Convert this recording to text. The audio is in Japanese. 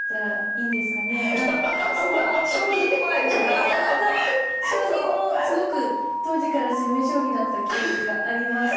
あいやいやあの将棋もすごく当時から攻め将棋だった記憶があります。